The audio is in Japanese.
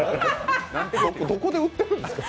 どこで売ってるんですか？